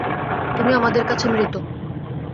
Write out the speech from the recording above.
তুমি আমাদের কাছে মৃত।